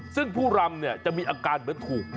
ซึ่งผู้รำเนี่ยจะมีอาการเหมือนถูก